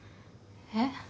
えっ？